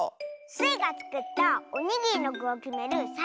スイがつくったおにぎりのぐをきめるサイコロ。